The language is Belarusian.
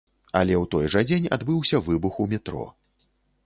Але ў той жа дзень адбыўся выбух у метро.